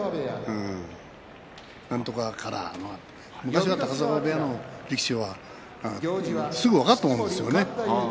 なんとかカラー昔は部屋の力士はすぐ分かったものですよね